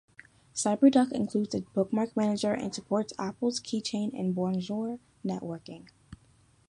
Cyberduck includes a bookmark manager and supports Apple's Keychain and Bonjour networking.